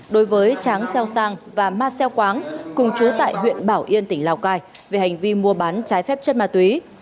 đối với tráng xeo sang và ma xeo khoáng cùng chú tại huyện bảo yên tỉnh lào cai về hành vi mua bán trái phép chất ma túy